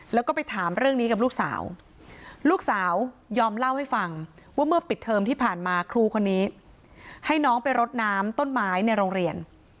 แล้วก็ไปถามเรื่องนี้กับลูกสาวลูกสาวยอมเล่าให้ฟังว่าเมื่อปิดเทอมที่ผ่านมาครูคนนี้ให้น้องไปรดน้ำต้นไม้ในโรงเรียน